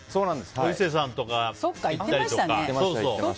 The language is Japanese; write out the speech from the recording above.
お伊勢さんとか行ったりとか。